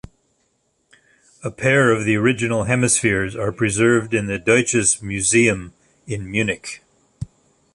A pair of the original hemispheres are preserved in the Deutsches Museum in Munich.